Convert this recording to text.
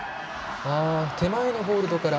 手前のホールドから。